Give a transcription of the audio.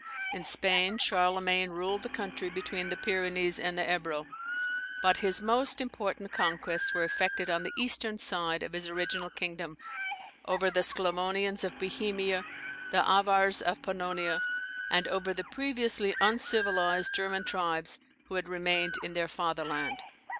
In Spain, Charlemagne ruled the country between the Pyrenees and the Ebro; but his most important conquests were effected on the eastern side of his original kingdom, over the Sclavonians of Bohemia, the Avars of Pannonia, and over the previously uncivilized German tribes who had remained in their fatherland.